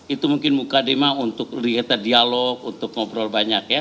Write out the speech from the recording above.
itu mungkin mukaddimah untuk diketah dialog untuk ngobrol banyak ya